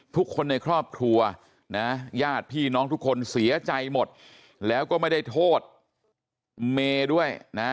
ทุกคนในครอบครัวนะญาติพี่น้องทุกคนเสียใจหมดแล้วก็ไม่ได้โทษเมย์ด้วยนะ